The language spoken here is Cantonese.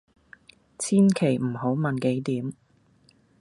千祈唔好問幾點